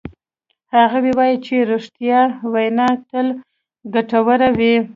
هغوی وایي چې ریښتیا وینا تل ګټوره وی